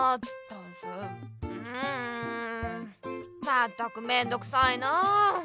まったくめんどくさいなあ。